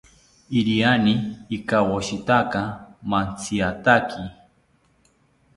Iriani ikawoshitaka mantziataki